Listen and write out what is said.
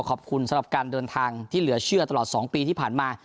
ขอบคุณสำหรับการเดินทางที่เหลือเชื่อตลอด๒ปีที่ผ่านมา